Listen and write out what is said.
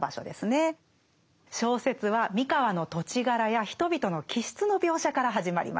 小説は三河の土地柄や人々の気質の描写から始まります。